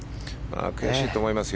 悔しいと思いますよ。